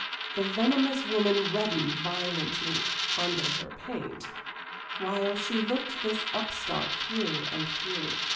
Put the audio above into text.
The venomous woman reddened violently under her paint while she looked this upstart through and through.